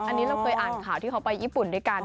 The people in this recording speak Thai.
อันนี้เราเคยอ่านข่าวที่เขาไปญี่ปุ่นด้วยกัน